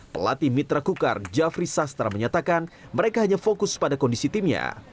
pelatih mitra kukar jafri sastra menyatakan mereka hanya fokus pada kondisi timnya